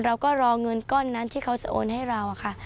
เราก็รอเงินก้อนนั้นที่เขาจะโอนให้เราค่ะ